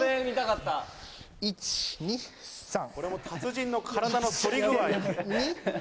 これも達人の体の反り具合。